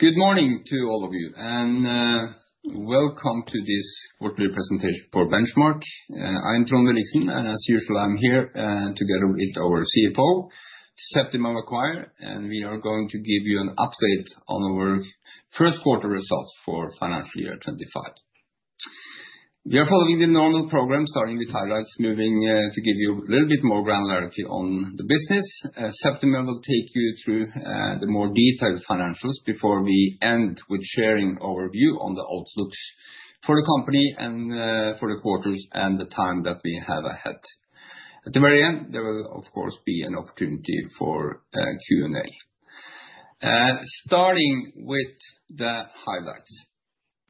Good morning to all of you, and welcome to this quarterly presentation for Benchmark. I'm Trond Williksen, and as usual, I'm here together with our CFO, Septima Maguire, and we are going to give you an update on our first quarter results for financial year 2025. We are following the normal program, starting with highlights, moving to give you a little bit more granularity on the business. Septima will take you through the more detailed financials before we end with sharing our view on the outlooks for the company, for the quarters, and the time that we have ahead. At the very end, there will, of course, be an opportunity for Q&A. Starting with the highlights,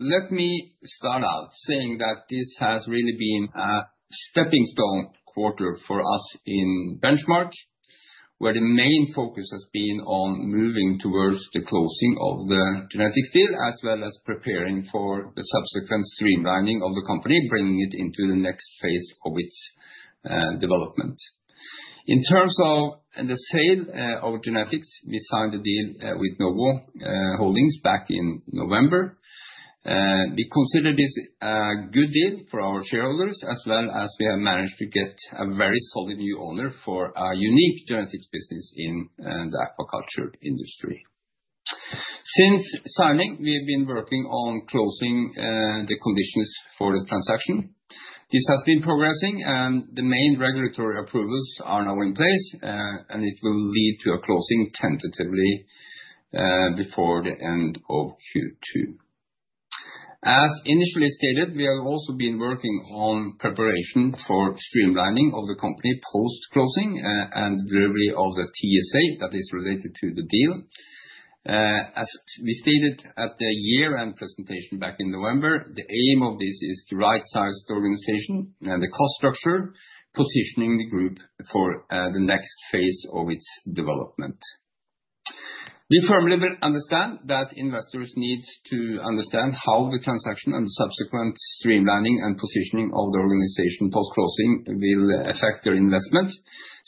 let me start out saying that this has really been a stepping stone quarter for us in Benchmark, where the main focus has been on moving towards the closing of the genetics deal, as well as preparing for the subsequent streamlining of the company, bringing it into the next phase of its development. In terms of the sale of genetics, we signed a deal with Novo Holdings back in November. We consider this a good deal for our shareholders, as well as we have managed to get a very solid new owner for our unique genetics business in the aquaculture industry. Since signing, we have been working on closing the conditions for the transaction. This has been progressing, and the main regulatory approvals are now in place, and it will lead to a closing tentatively before the end of Q2. As initially stated, we have also been working on preparation for streamlining of the company post-closing and delivery of the TSA that is related to the deal. As we stated at the year-end presentation back in November, the aim of this is to right-size the organization and the cost structure, positioning the group for the next phase of its development. We firmly understand that investors need to understand how the transaction and the subsequent streamlining and positioning of the organization post-closing will affect their investment.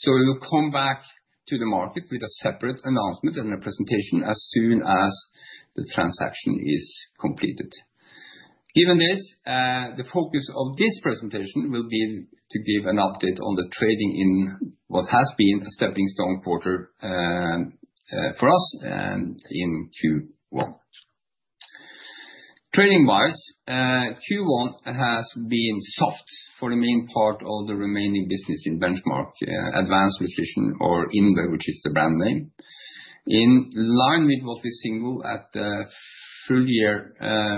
We will come back to the market with a separate announcement and a presentation as soon as the transaction is completed. Given this, the focus of this presentation will be to give an update on the trading in what has been a stepping stone quarter for us in Q1. Trading-wise, Q1 has been soft for the main part of the remaining business in Benchmark, Advanced Nutrition, or INVE, which is the brand name. In line with what we signaled at the full-year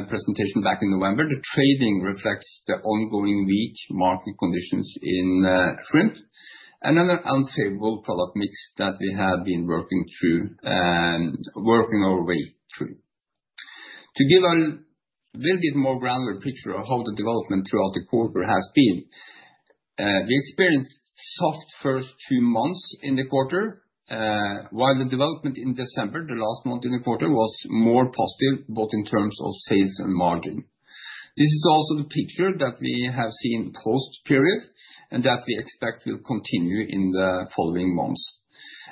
presentation back in November, the trading reflects the ongoing weak market conditions in shrimp, another unfavorable product mix that we have been working through, working our way through. To give a little bit more granular picture of how the development throughout the quarter has been, we experienced soft first two months in the quarter, while the development in December, the last month in the quarter, was more positive, both in terms of sales and margin. This is also the picture that we have seen post-period and that we expect will continue in the following months,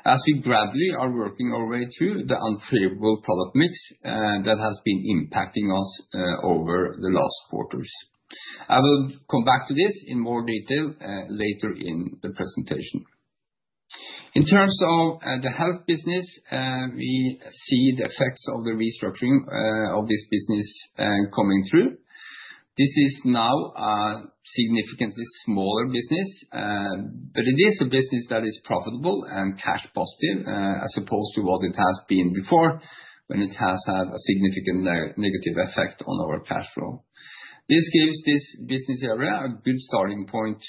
as we gradually are working our way through the unfavorable product mix that has been impacting us over the last quarters. I will come back to this in more detail later in the presentation. In terms of the health business, we see the effects of the restructuring of this business coming through. This is now a significantly smaller business, but it is a business that is profitable and cash positive as opposed to what it has been before when it has had a significant negative effect on our cash flow. This gives this business area a good starting point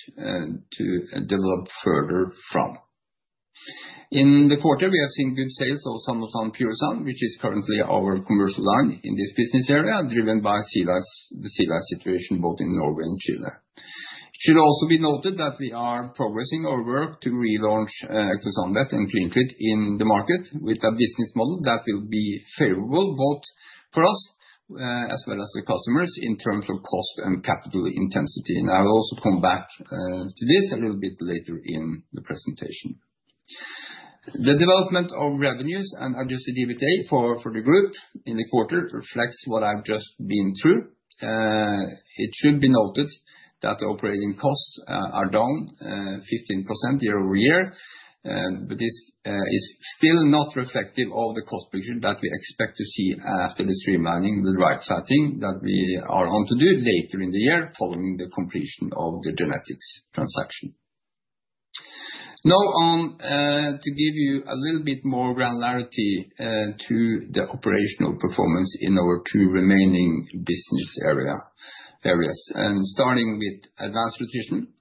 to develop further from. In the quarter, we have seen good sales of Purisan, which is currently our commercial line in this business area, driven by the sea lice situation both in Norway and Chile. It should also be noted that we are progressing our work to relaunch Ectosan Vet and CleanTreat in the market with a business model that will be favorable both for us as well as the customers in terms of cost and capital intensity. I will also come back to this a little bit later in the presentation. The development of revenues and Adjusted EBITDA for the group in the quarter reflects what I've just been through. It should be noted that the operating costs are down 15% year-over-year, but this is still not reflective of the cost picture that we expect to see after the streamlining, the right-sizing that we are on to do later in the year following the completion of the genetics transaction. Now, to give you a little bit more granularity to the operational performance in our two remaining business areas, starting with Advanced Nutrition.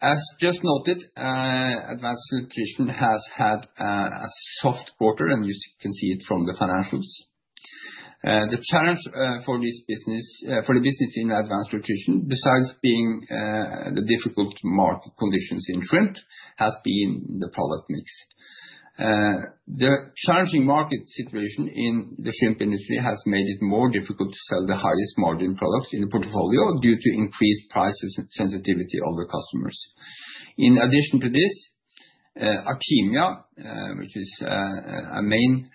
As just noted, Advanced Nutrition has had a soft quarter, and you can see it from the financials. The challenge for the business in Advanced Nutrition, besides being the difficult market conditions in shrimp, has been the product mix. The challenging market situation in the shrimp industry has made it more difficult to sell the highest margin products in the portfolio due to increased price sensitivity of the customers. In addition to this, Artemia, which is a main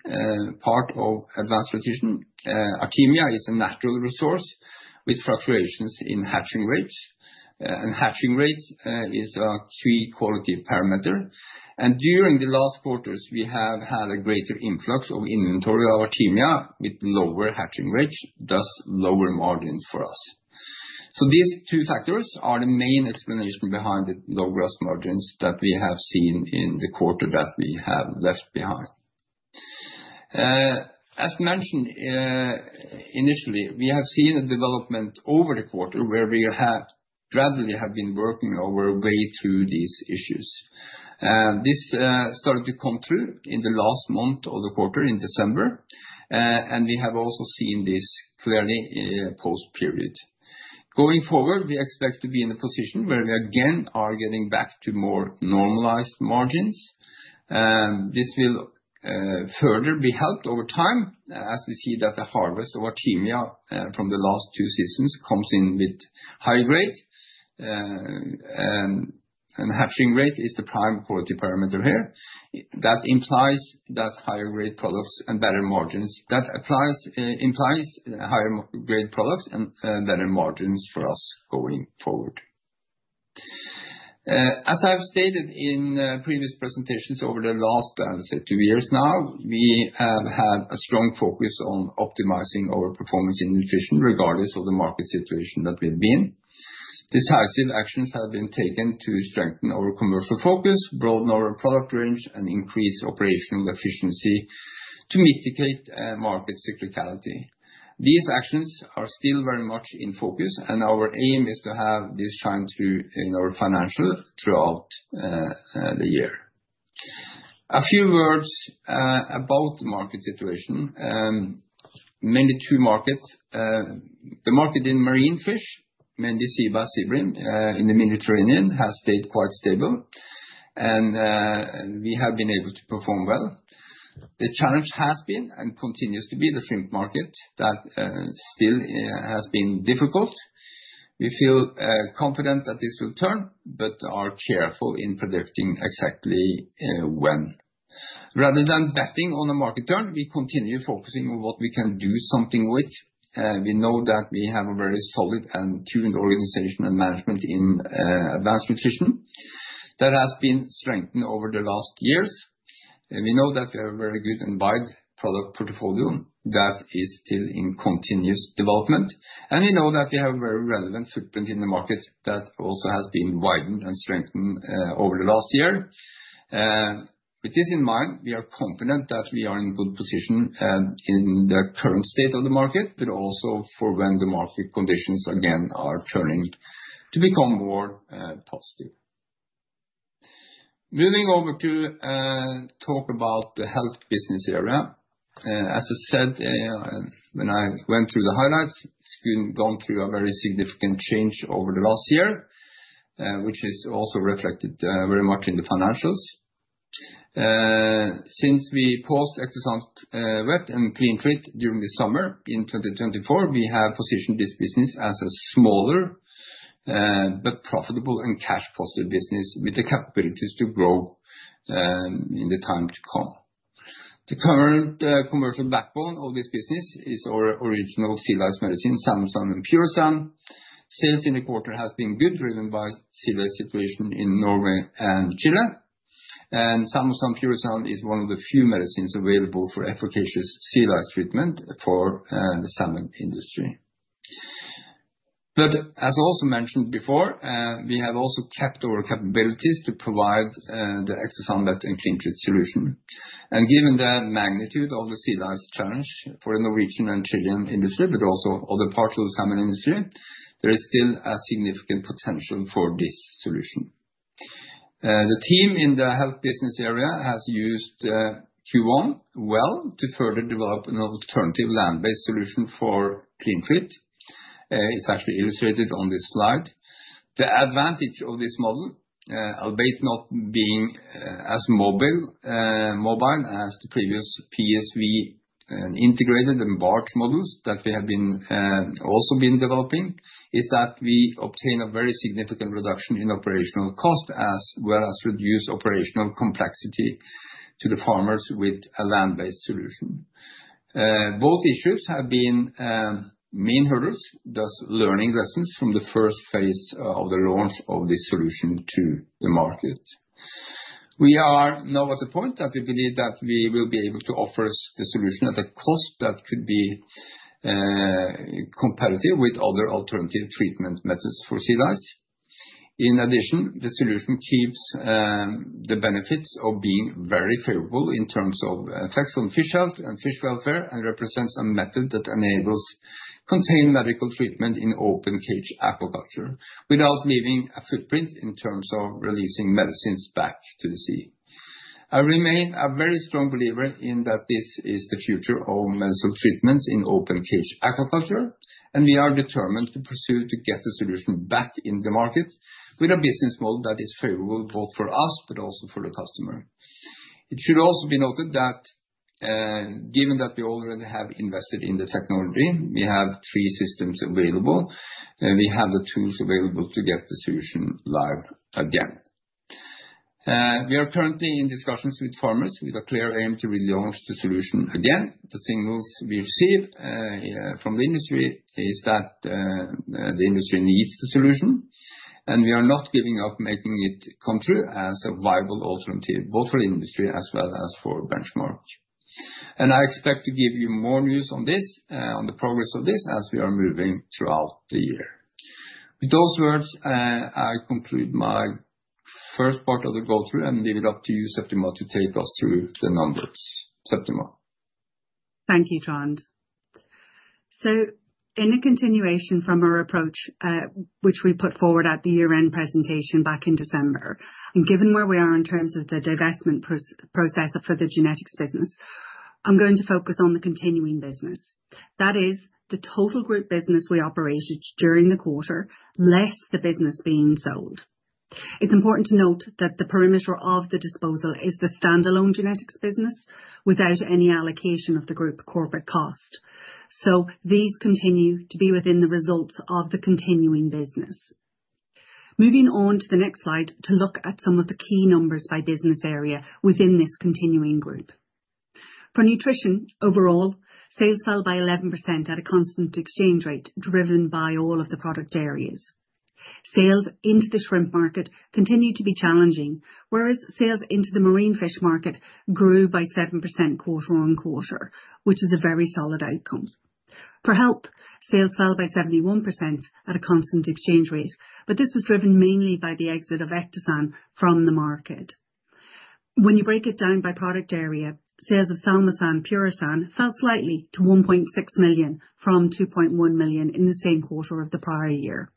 part of Advanced Nutrition, Artemia is a natural resource with fluctuations in hatching rates. Hatching rate is a key quality parameter. During the last quarters, we have had a greater influx of inventory of Artemia with lower hatching rates, thus lower margins for us. These two factors are the main explanation behind the low gross margins that we have seen in the quarter that we have left behind. As mentioned initially, we have seen a development over the quarter where we gradually have been working our way through these issues. This started to come through in the last month of the quarter in December, and we have also seen this clearly post-period. Going forward, we expect to be in a position where we again are getting back to more normalized margins. This will further be helped over time as we see that the harvest of Artemia from the last two seasons comes in with higher grade. Hatching rate is the prime quality parameter here that implies that higher grade products and better margins that imply higher grade products and better margins for us going forward. As I've stated in previous presentations over the last, I would say, two years now, we have had a strong focus on optimizing our performance in nutrition regardless of the market situation that we've been in. Decisive actions have been taken to strengthen our commercial focus, broaden our product range, and increase operational efficiency to mitigate market cyclicality. These actions are still very much in focus, and our aim is to have this shine through in our financials throughout the year. A few words about the market situation. Mainly two markets. The market in marine fish, mainly sea bass, sea bream in the Mediterranean, has stayed quite stable, and we have been able to perform well. The challenge has been and continues to be the shrimp market that still has been difficult. We feel confident that this will turn, but are careful in predicting exactly when. Rather than betting on a market turn, we continue focusing on what we can do something with. We know that we have a very solid and tuned organization and management in Advanced Nutrition that has been strengthened over the last years. We know that we have a very good and wide product portfolio that is still in continuous development, and we know that we have a very relevant footprint in the market that also has been widened and strengthened over the last year. With this in mind, we are confident that we are in good position in the current state of the market, but also for when the market conditions again are turning to become more positive. Moving over to talk about the health business area. As I said, when I went through the highlights, we've gone through a very significant change over the last year, which is also reflected very much in the financials. Since we post-Ectosan Vet and CleanTreat during the summer in 2024, we have positioned this business as a smaller but profitable and cash-positive business with the capabilities to grow in the time to come. The current commercial backbone of this business is our original sea lice medicine, Salmosan and Purisan. Sales in the quarter has been good, driven by sea lice situation in Norway and Chile. Salmosan Purisan is one of the few medicines available for efficacious sea lice treatment for the salmon industry. As also mentioned before, we have also kept our capabilities to provide the Ectosan Vet and CleanTreat solution. Given the magnitude of the sea lice challenge for the Norwegian and Chilean industry, but also other parts of the salmon industry, there is still a significant potential for this solution. The team in the health business area has used Q1 well to further develop an alternative land-based solution for CleanTreat. It is actually illustrated on this slide. The advantage of this model, albeit not being as mobile as the previous PSV integrated and barge models that we have also been developing, is that we obtain a very significant reduction in operational cost, as well as reduce operational complexity to the farmers with a land-based solution. Both issues have been main hurdles, thus learning lessons from the first phase of the launch of this solution to the market. We are now at the point that we believe that we will be able to offer the solution at a cost that could be competitive with other alternative treatment methods for sea lice. In addition, the solution keeps the benefits of being very favorable in terms of effects on fish health and fish welfare and represents a method that enables contained medical treatment in open cage aquaculture without leaving a footprint in terms of releasing medicines back to the sea. I remain a very strong believer in that this is the future of medicinal treatments in open cage aquaculture, and we are determined to pursue to get the solution back in the market with a business model that is favorable both for us but also for the customer. It should also be noted that given that we already have invested in the technology, we have three systems available. We have the tools available to get the solution live again. We are currently in discussions with farmers with a clear aim to relaunch the solution again. The signals we receive from the industry is that the industry needs the solution, and we are not giving up making it come through as a viable alternative both for the industry as well as for Benchmark. I expect to give you more news on this, on the progress of this as we are moving throughout the year. With those words, I conclude my first part of the go through and leave it up to you, Septima, to take us through the numbers. Septima. Thank you, Trond. In a continuation from our approach, which we put forward at the year-end presentation back in December, and given where we are in terms of the divestment process for the genetics business, I'm going to focus on the continuing business. That is, the total group business we operated during the quarter less the business being sold. It's important to note that the perimeter of the disposal is the standalone genetics business without any allocation of the group corporate cost. These continue to be within the results of the continuing business. Moving on to the next slide to look at some of the key numbers by business area within this continuing group. For nutrition, overall, sales fell by 11% at a constant exchange rate driven by all of the product areas. Sales into the shrimp market continued to be challenging, whereas sales into the marine fish market grew by 7% quarter-on-quarter, which is a very solid outcome. For health, sales fell by 71% at a constant exchange rate, but this was driven mainly by the exit of Ectosan Vet from the market. When you break it down by product area, sales of Salmosan Purisan fell slightly to 1.6 million from 2.1 million in the same quarter of the prior year.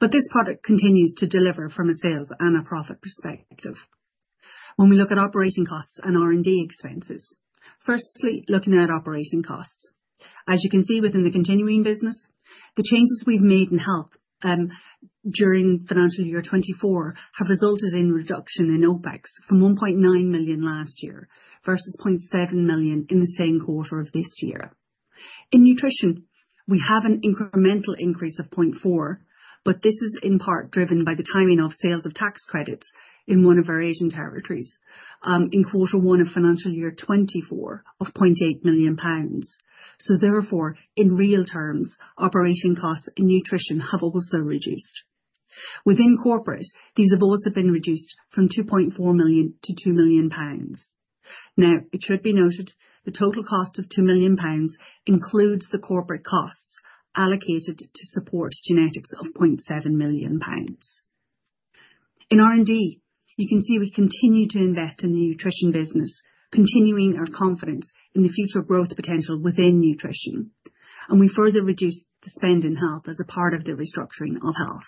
This product continues to deliver from a sales and a profit perspective. When we look at operating costs and R&D expenses, firstly, looking at operating costs, as you can see within the continuing business, the changes we have made in health during financial year 2024 have resulted in reduction in OPEX from 1.9 million last year versus 0.7 million in the same quarter of this year. In nutrition, we have an incremental increase of 0.4, but this is in part driven by the timing of sales of tax credits in one of our Asian territories in quarter one of financial year 2024 of 0.8 million pounds. Therefore, in real terms, operating costs in nutrition have also reduced. Within corporate, these have also been reduced from 2.4 million-2 million pounds. It should be noted the total cost of 2 million pounds includes the corporate costs allocated to support genetics of 0.7 million pounds. In R&D, you can see we continue to invest in the nutrition business, continuing our confidence in the future growth potential within nutrition. We further reduce the spend in health as a part of the restructuring of health.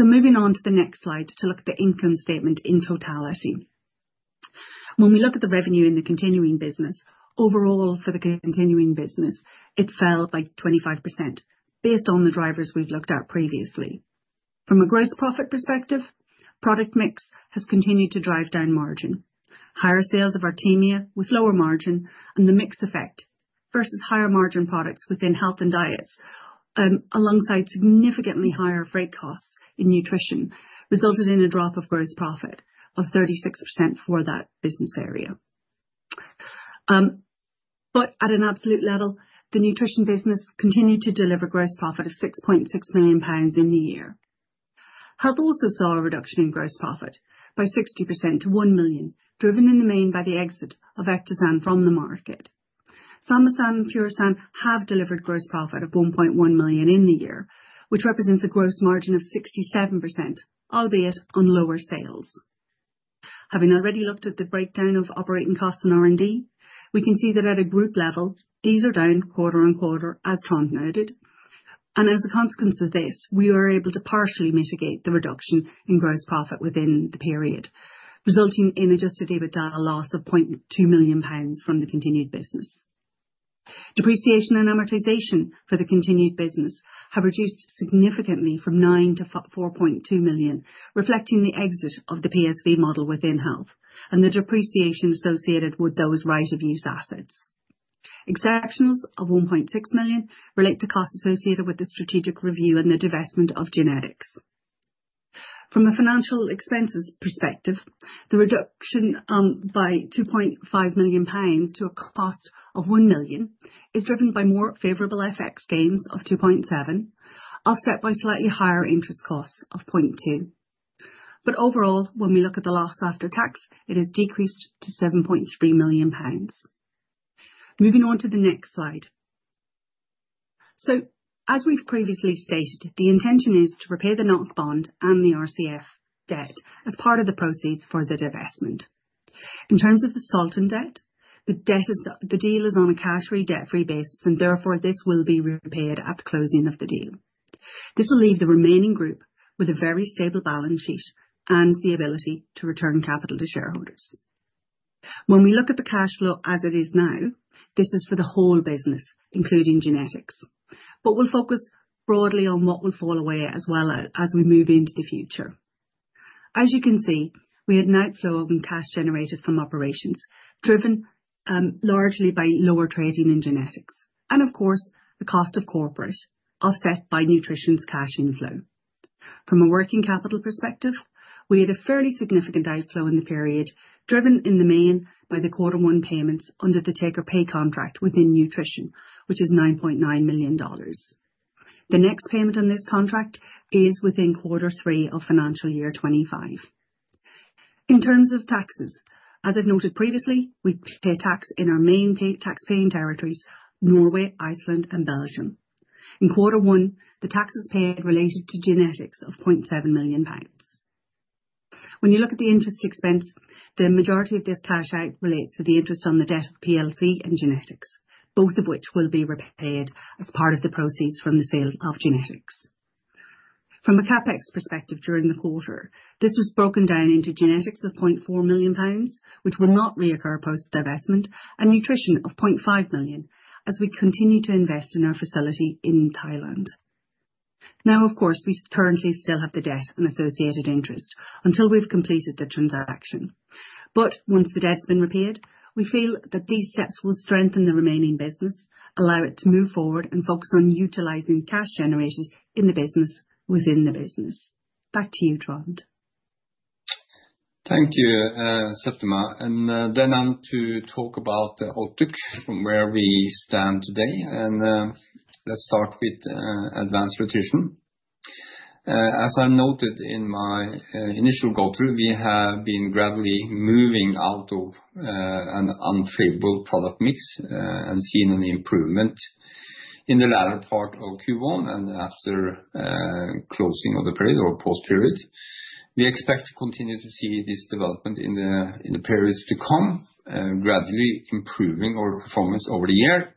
Moving on to the next slide to look at the income statement in totality. When we look at the revenue in the continuing business, overall for the continuing business, it fell by 25% based on the drivers we've looked at previously. From a gross profit perspective, product mix has continued to drive down margin. Higher sales of Artemia with lower margin and the mix effect versus higher margin products within health and diets alongside significantly higher freight costs in nutrition resulted in a drop of gross profit of 36% for that business area. At an absolute level, the nutrition business continued to deliver gross profit of 6.6 million pounds in the year. Health also saw a reduction in gross profit by 60% to 1 million, driven in the main by the exit of Ectosan from the market. Salmosan and Purisan have delivered gross profit of 1.1 million in the year, which represents a gross margin of 67%, albeit on lower sales. Having already looked at the breakdown of operating costs and R&D, we can see that at a group level, these are down quarter on quarter, as Trond noted. As a consequence of this, we were able to partially mitigate the reduction in gross profit within the period, resulting in Adjusted EBITDA loss of 0.2 million pounds from the continued business. Depreciation and amortization for the continued business have reduced significantly from 9 million-4.2 million, reflecting the exit of the PSV model within health and the depreciation associated with those right-of-use assets. Exceptions of 1.6 million relate to costs associated with the strategic review and the divestment of genetics. From a financial expenses perspective, the reduction by 2.5 million pounds to a cost of 1 million is driven by more favorable FX gains of 2.7 million, offset by slightly higher interest costs of 0.2 million. Overall, when we look at the loss after tax, it has decreased to 7.3 million pounds. Moving on to the next slide. As we have previously stated, the intention is to repay the NOK bond and the RCF debt as part of the proceeds for the divestment. In terms of the sold debt, the deal is on a cash-free, debt-free basis, and therefore this will be repaid at the closing of the deal. This will leave the remaining group with a very stable balance sheet and the ability to return capital to shareholders. When we look at the cash flow as it is now, this is for the whole business, including genetics, but we will focus broadly on what will fall away as well as we move into the future. As you can see, we had an outflow of cash generated from operations driven largely by lower trading in genetics and, of course, the cost of corporate offset by nutrition's cash inflow. From a working capital perspective, we had a fairly significant outflow in the period, driven in the main by the quarter one payments under the take-or-pay contract within nutrition, which is $9.9 million. The next payment on this contract is within Q3 of financial year 2025. In terms of taxes, as I've noted previously, we pay tax in our main tax-paying territories: Norway, Iceland, and Belgium. In quarter one, the taxes paid related to genetics of 0.7 million pounds. When you look at the interest expense, the majority of this cash out relates to the interest on the debt of Benchmark Holdings and genetics, both of which will be repaid as part of the proceeds from the sale of genetics. From a CapEx perspective during the quarter, this was broken down into genetics of 0.4 million pounds, which will not reoccur post-divestment, and nutrition of 0.5 million as we continue to invest in our facility in Thailand. Of course, we currently still have the debt and associated interest until we have completed the transaction. Once the debt has been repaid, we feel that these steps will strengthen the remaining business, allow it to move forward, and focus on utilizing cash generated in the business within the business. Back to you, Trond. Thank you, Septima. I am to talk about the outlook from where we stand today. Let's start with Advanced Nutrition. As I noted in my initial go through, we have been gradually moving out of an unfavorable product mix and seeing an improvement in the latter part of Q1 and after closing of the period or post-period. We expect to continue to see this development in the periods to come, gradually improving our performance over the year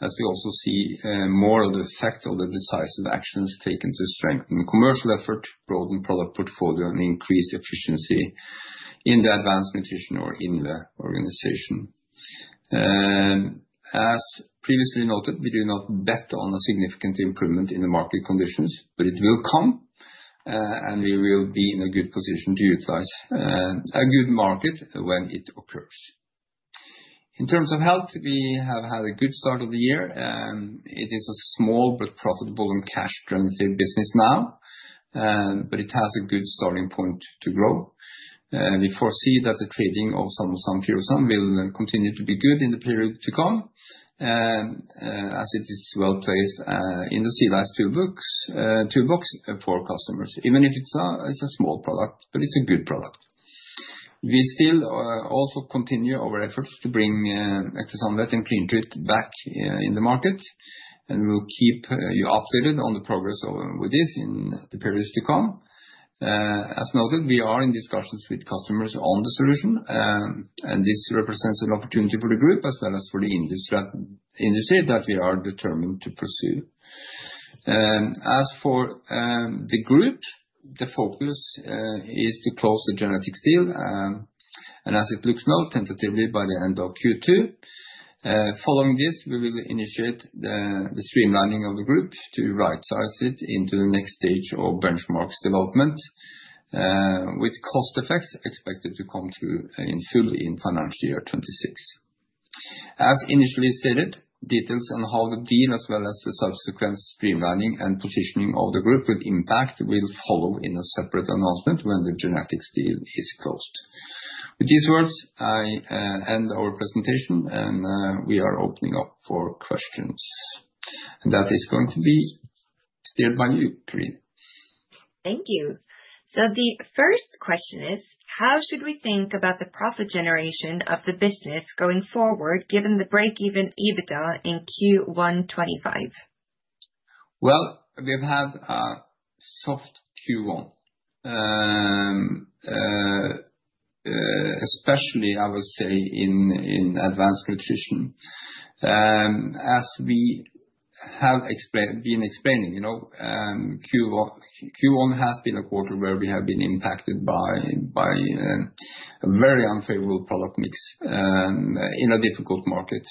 as we also see more of the effect of the decisive actions taken to strengthen commercial effort, broaden product portfolio, and increase efficiency in Advanced Nutrition or in the organization. As previously noted, we do not bet on a significant improvement in the market conditions, but it will come, and we will be in a good position to utilize a good market when it occurs. In terms of Health, we have had a good start of the year. It is a small but profitable and cash-driven business now, but it has a good starting point to grow. We foresee that the trading of Salmosan Purisan will continue to be good in the period to come as it is well placed in the sea lice toolbox for customers, even if it's a small product, but it's a good product. We still also continue our efforts to bring Ectosan Vet and CleanTreat back in the market, and we'll keep you updated on the progress with this in the periods to come. As noted, we are in discussions with customers on the solution, and this represents an opportunity for the group as well as for the industry that we are determined to pursue. As for the group, the focus is to close the genetics deal, and as it looks now, tentatively by the end of Q2. Following this, we will initiate the streamlining of the group to right-size it into the next stage of Benchmark's development with cost effects expected to come through fully in financial year 2026. As initially stated, details on how the deal as well as the subsequent streamlining and positioning of the group with impact will follow in a separate announcement when the genetics deal is closed. With these words, I end our presentation, and we are opening up for questions. That is going to be steered by you, Karine. Thank you. The first question is, how should we think about the profit generation of the business going forward given the break-even EBITDA in Q1 2025? We have had a soft Q1, especially, I would say, in advanced nutrition. As we have been explaining, Q1 has been a quarter where we have been impacted by a very unfavorable product mix in a difficult market.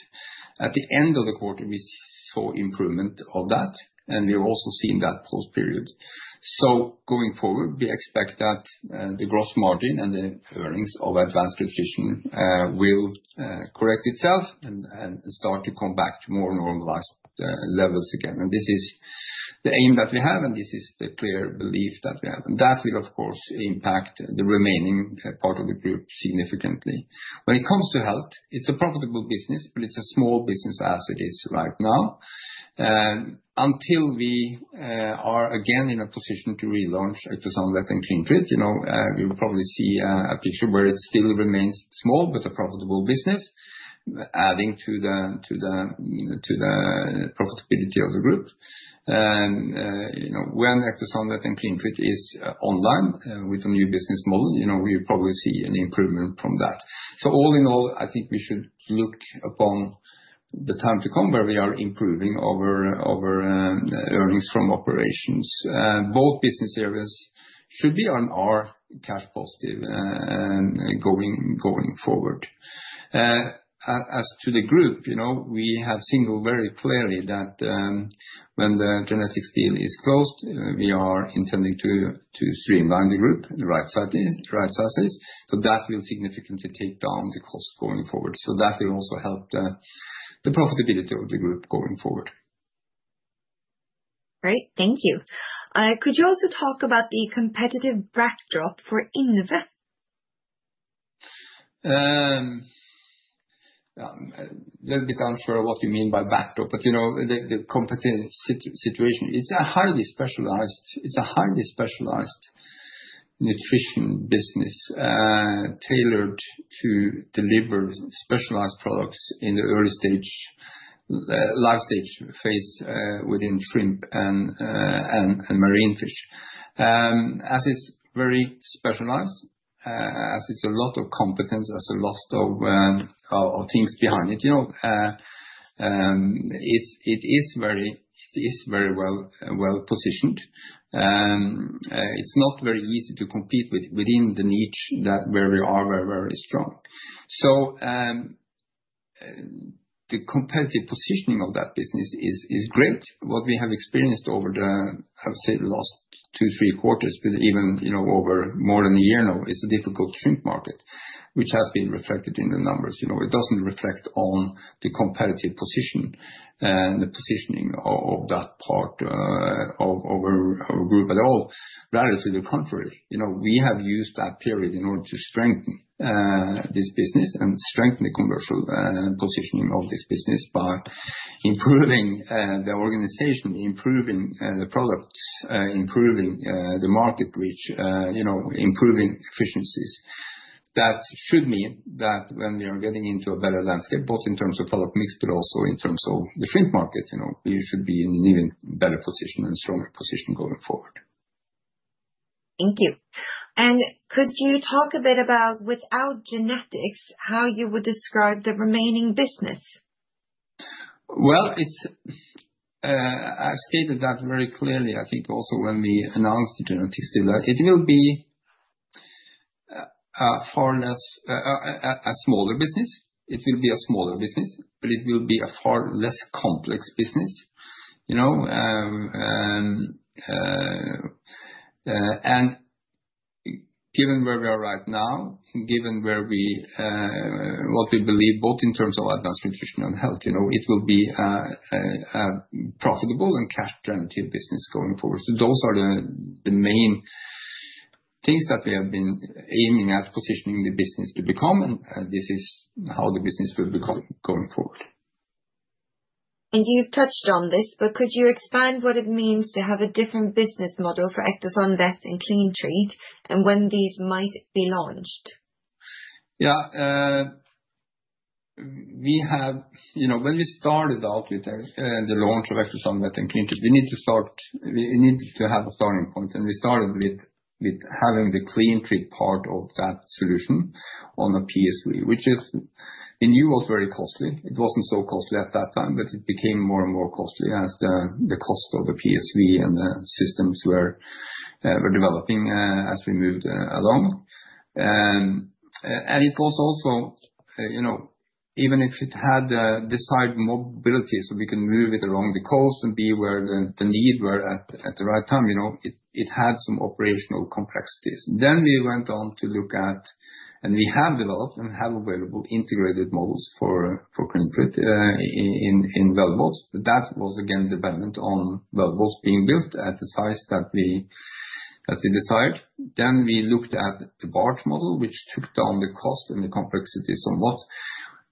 At the end of the quarter, we saw improvement of that, and we have also seen that post-period. Going forward, we expect that the gross margin and the earnings of Advanced Nutrition will correct itself and start to come back to more normalized levels again. This is the aim that we have, and this is the clear belief that we have. That will, of course, impact the remaining part of the group significantly. When it comes to Health, it is a profitable business, but it is a small business as it is right now. Until we are again in a position to relaunch Ectosan Vet and CleanTreat, we will probably see a picture where it still remains small but a profitable business, adding to the profitability of the group. When Ectosan Vet and CleanTreat is online with a new business model, we'll probably see an improvement from that. All in all, I think we should look upon the time to come where we are improving our earnings from operations. Both business areas should be on our cash positive going forward. As to the group, we have signaled very clearly that when the genetics deal is closed, we are intending to streamline the group, right-size it. That will significantly take down the cost going forward. That will also help the profitability of the group going forward. Great. Thank you. Could you also talk about the competitive backdrop for INVE? A little bit unsure of what you mean by backdrop, but the competitive situation, it's a highly specialized nutrition business tailored to deliver specialized products in the early stage, life stage phase within shrimp and marine fish. As it's very specialized, as it's a lot of competence, as a lot of things behind it, it is very well positioned. It's not very easy to compete within the niche where we are very, very strong. The competitive positioning of that business is great. What we have experienced over the, I would say, the last two, three quarters, but even over more than a year now, is a difficult shrimp market, which has been reflected in the numbers. It doesn't reflect on the competitive position and the positioning of that part of our group at all. Rather to the contrary, we have used that period in order to strengthen this business and strengthen the commercial positioning of this business by improving the organization, improving the products, improving the market reach, improving efficiencies. That should mean that when we are getting into a better landscape, both in terms of product mix, but also in terms of the shrimp market, we should be in an even better position and stronger position going forward. Thank you. Could you talk a bit about, without genetics, how you would describe the remaining business? I have stated that very clearly. I think also when we announced the genetics deal, it will be a far less, a smaller business. It will be a smaller business, but it will be a far less complex business. Given where we are right now, given what we believe, both in terms of advanced nutrition and health, it will be a profitable and cash-driven business going forward. Those are the main things that we have been aiming at positioning the business to become, and this is how the business will be going forward. You have touched on this, but could you expand what it means to have a different business model for Ectosan Vet and CleanTreat and when these might be launched? Yeah. When we started out with the launch of Ectosan Vet and CleanTreat, we needed to have a starting point, and we started with having the CleanTreat part of that solution on a PSV, which we knew was very costly. It wasn't so costly at that time, but it became more and more costly as the cost of the PSV and the systems were developing as we moved along. It was also, even if it had the side mobility so we can move it along the coast and be where the need were at the right time, it had some operational complexities. We went on to look at, and we have developed and have available integrated models for CleanTreat in wellboats. That was, again, dependent on wellboats being built at the size that we desired. We looked at the barge model, which took down the cost and the complexity somewhat.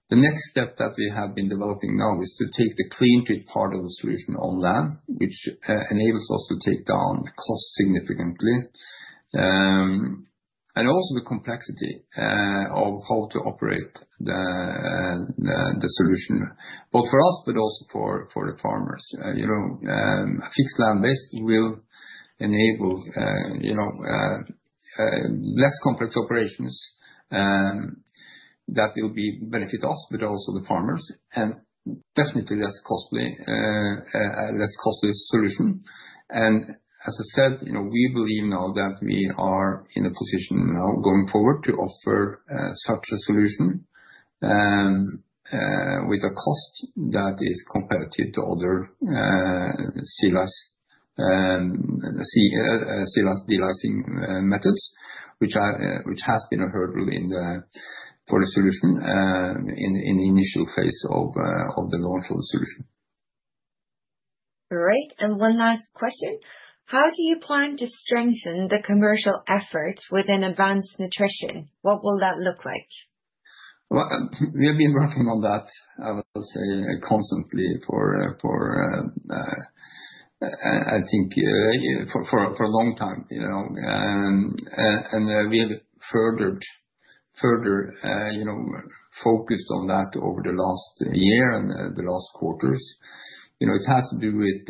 The next step that we have been developing now is to take the CleanTreat part of the solution on land, which enables us to take down cost significantly and also the complexity of how to operate the solution, both for us but also for the farmers. A fixed land-based will enable less complex operations that will benefit us, but also the farmers, and definitely less costly solution. As I said, we believe now that we are in a position now going forward to offer such a solution with a cost that is competitive to other sea lice de-licing methods, which has been a hurdle for the solution in the initial phase of the launch of the solution. All right. One last question. How do you plan to strengthen the commercial effort within advanced nutrition? What will that look like? We have been working on that, I would say, constantly, I think, for a long time. We have further focused on that over the last year and the last quarters. It has to do with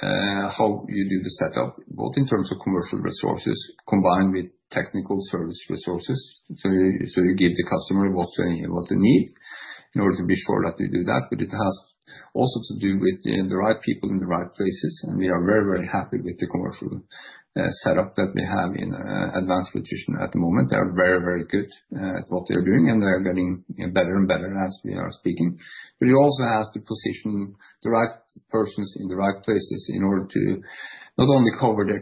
how you do the setup, both in terms of commercial resources combined with technical service resources. You give the customer what they need in order to be sure that you do that. It has also to do with the right people in the right places. We are very, very happy with the commercial setup that we have in advanced nutrition at the moment. They are very, very good at what they are doing, and they are getting better and better as we are speaking. It also has to position the right persons in the right places in order to not only cover the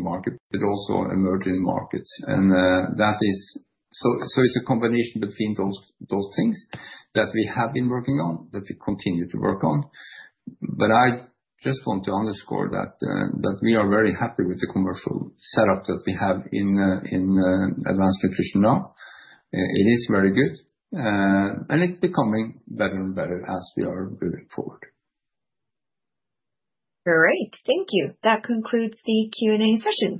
market, but also emerging markets. It is a combination between those things that we have been working on, that we continue to work on. I just want to underscore that we are very happy with the commercial setup that we have in advanced nutrition now. It is very good, and it is becoming better and better as we are moving forward. All right. Thank you. That concludes the Q&A session.